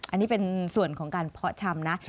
อันนี้เป็นส่วนของการเพาะชำนะ